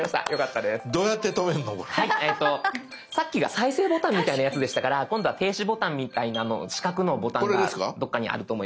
さっきが再生ボタンみたいなやつでしたから今度は停止ボタンみたいなの四角のボタンがどっかにあると思います。